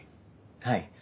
はい。